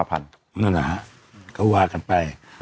นั่นเลยครับเขาว่ากันไป